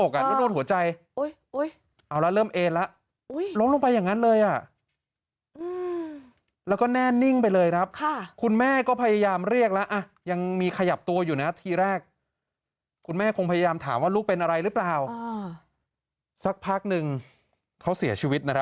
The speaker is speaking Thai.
คนเนี่ยนะเนี่ยเนี่ย